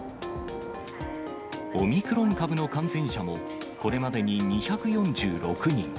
オミクロン株の感染者もこれまでに２４６人。